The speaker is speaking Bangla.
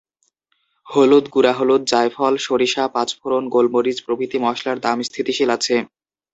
হলুদ, গুঁড়া হলুদ, জায়ফল, সরিষা, পাঁচফোড়ন, গোলমরিচ প্রভৃতি মসলার দাম স্থিতিশীল আছে।